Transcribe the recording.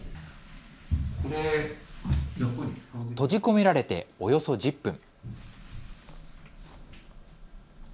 閉じ込められておよそ１０分。